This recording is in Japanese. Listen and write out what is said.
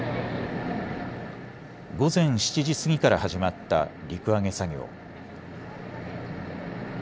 午前７時過ぎから始まった陸揚げ作業。